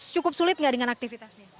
cukup sulit nggak dengan aktivitasnya